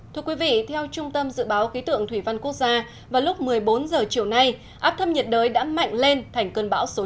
thưa quý vị theo trung tâm dự báo khí tượng thủy văn quốc gia vào lúc một mươi bốn h chiều nay áp thấp nhiệt đới đã mạnh lên thành cơn bão số chín